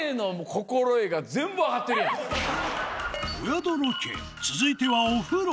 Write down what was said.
お宿ロケ続いてはお風呂！